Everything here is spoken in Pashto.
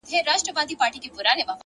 هوښیار انتخاب د سبا ستونزې کموي!